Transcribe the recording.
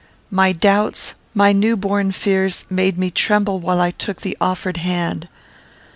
My doubts, my new born fears, made me tremble while I took the offered hand.